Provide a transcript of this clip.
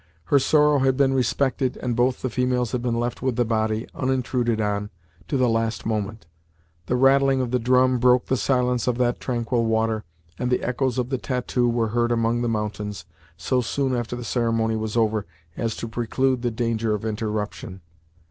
Her sorrow had been respected, and both the females had been left with the body, unintruded on, to the last moment. The rattling of the drum broke the silence of that tranquil water, and the echoes of the tattoo were heard among the mountains, so soon after the ceremony was over as to preclude the danger of interruption.